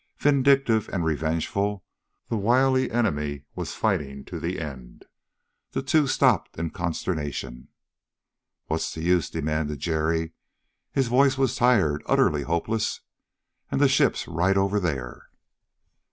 Vindictive and revengeful, the wily enemy was fighting to the end. The two stopped in consternation. "What's the use!" demanded Jerry. His voice was tired, utterly hopeless. "And the ship's right over there...."